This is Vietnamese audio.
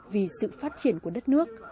vì sự phát triển của đất nước